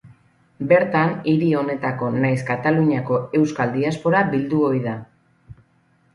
Bertan hiri honetako nahiz Kataluniako euskal diaspora bildu ohi da.